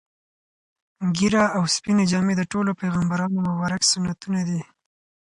ږیره او سپینې جامې د ټولو پیغمبرانو مبارک سنتونه دي.